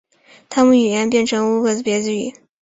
他们语言也变成乌兹别克语。